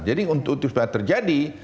jadi untuk itu terjadi